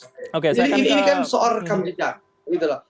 jadi ini kan seorang rekam jejak